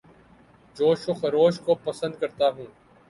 جوش و خروش کو پسند کرتا ہوں